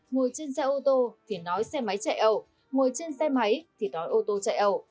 ngồi trên xe ô tô thì nói xe máy chạy ẩu ngồi trên xe máy thì đón ô tô chạy ẩu